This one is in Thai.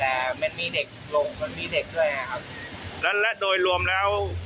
แต่มันมีเด็กลงมันมีเด็กด้วยไงครับแล้วและโดยรวมแล้ว